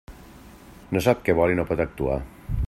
No sap què vol i no pot actuar.